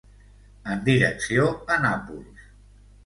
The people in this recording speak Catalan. En direcció a Nàpols.